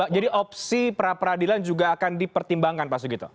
jadi opsi peradilan juga akan dipertimbangkan pak sugito